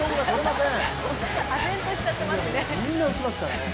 みんな打ちますからね。